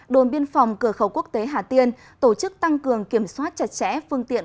đồn biên phòng cửa khẩu quốc tế hà tiên tổ chức tăng cường kiểm soát chặt chẽ phương tiện